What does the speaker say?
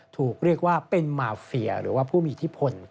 ถูกเรียกว่าเป็นมาเฟียหรือว่าผู้มีอิทธิพล